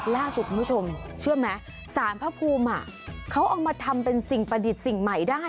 ล่าสุดคุณผู้ชมเชื่อไหมสารพระภูมิเขาเอามาทำเป็นสิ่งประดิษฐ์สิ่งใหม่ได้